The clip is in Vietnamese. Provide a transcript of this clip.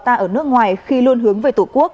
ta ở nước ngoài khi luôn hướng về tổ quốc